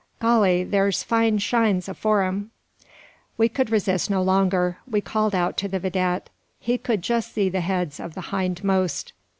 Golly! thar's fine shines afore them." We could resist no longer. We called out to the vidette. He could just see the heads of the hindmost.